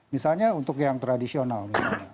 misalnya untuk yang tradisional